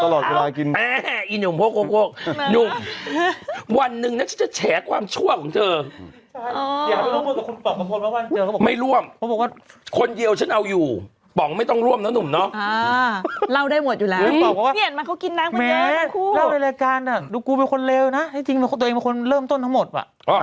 อ๋อโลกและรายการนะดุกกูเป็นคนเลวนะที่จริงจะไปตัวเองได้เป็นคนเริ่มต้นทั้งหมดอ่ะ